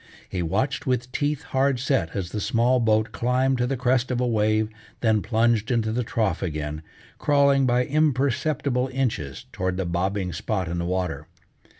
He watched with teeth hard set as the small boat climbed to the crest of a wave, then plunged into the trough again, crawling by imperceptible inches toward the bobbing spot in the water.